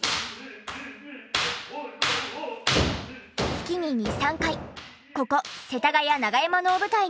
月に２３回ここ世田谷長山能舞台に足を運び